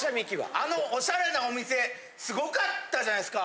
あのオシャレなお店すごかったじゃないですか